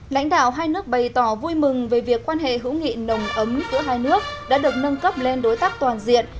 lãnh đạo hai nước bày tỏ vui mừng về việc quan hệ hữu nghị nồng ấm của hai nước đã được nâng cấp lên đối tác toàn diện